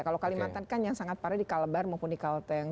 kalau kalimantan kan yang sangat parah di kalebar maupun di kalteng